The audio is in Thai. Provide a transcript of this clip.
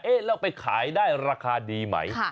แล้วไปขายได้ราคาดีไหม